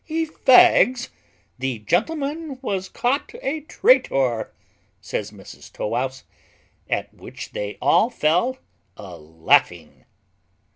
"Ifags! the gentleman has caught a traytor," says Mrs Tow wouse; at which they all fell a laughing.